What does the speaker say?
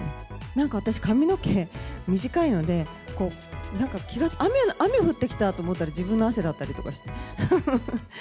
なんか私、髪の毛短いので、こう、なんか、雨降ってきたと思ったら、自分の汗だったりとかして。